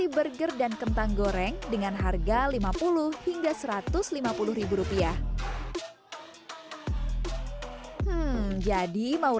istilah pelanggan adalah raja tidak berlaku ya di sini